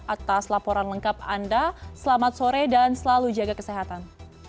atas laporan lengkap anda selamat sore dan selalu jaga kesehatan